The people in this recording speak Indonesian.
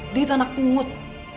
dia itu anak pungut